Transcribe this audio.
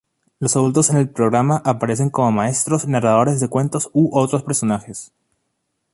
Los adultos en el programa aparecen como maestros, narradores de cuentos, u otros personajes.